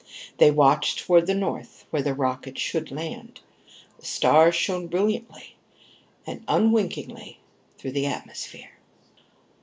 They watched toward the north, where the rocket should land. The stars shone brilliantly and unwinkingly through the atmosphere.